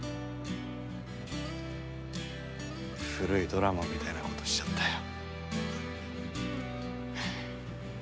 古いドラマみたいなことしちゃったよ。